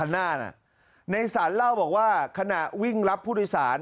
ในสรรเล่าบอกว่าขณะวิ่งรับผู้โดยสาร